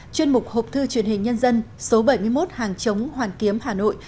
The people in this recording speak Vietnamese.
chuyên mục hộp thư truyền hình nhân dân số bảy mươi một hàng chống hoàn kiếm hà nội